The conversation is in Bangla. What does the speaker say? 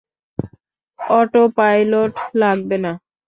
অটোপাইলট লাগবে না।